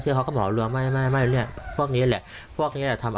เขาใช้อะไรตีหนู